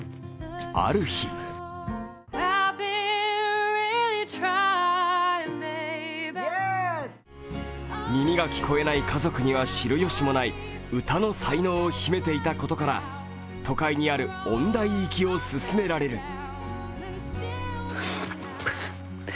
ある日耳が聞こえない家族には知るよしもない歌の才能を秘めていたことから都会にある音大行きを勧められる。